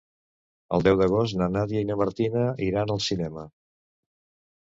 El deu d'agost na Nàdia i na Martina iran al cinema.